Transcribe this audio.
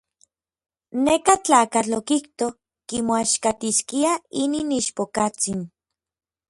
Neka tlakatl okijto kimoaxkatiskia inin ichpokatsin.